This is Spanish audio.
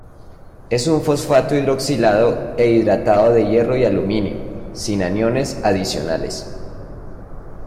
Es un fosfato hidroxilado e hidratado de hierro y aluminio, sin aniones adicionales.